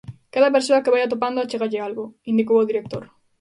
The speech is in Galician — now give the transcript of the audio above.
"Cada persoa que vai atopando, achégalle algo", indicou o director.